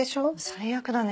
最悪だね。